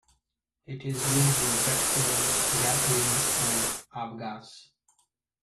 It is used in jet fuels, gasolines, and avgas.